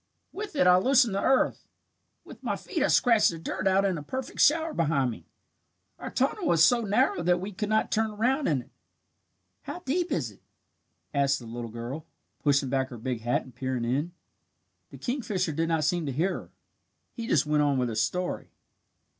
With it I loosen the earth. With my feet I scratch the dirt out in a perfect shower behind me. Our tunnel is so narrow that we could not turn around in it." "How deep is it?" asked the little girl, pushing back her big hat and peering in. The kingfisher did not seem to hear her. He just went on with his story.